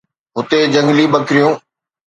هتي جهنگلي ٻڪريون